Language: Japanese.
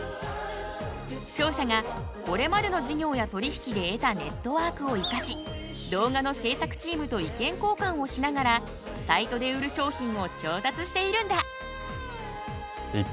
商社がこれまでの事業や取り引きで得たネットワークを生かし動画の制作チームと意見交換をしながらサイトで売る商品を調達しているんだ。